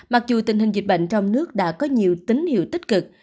mặc dù tình hình dịch bệnh trong nước đã có nhiều tín hiệu tích cực